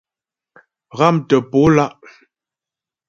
Ghámtə̀ po lá'.